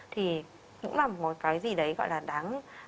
thì cũng là một cái gì đấy gọi là đáng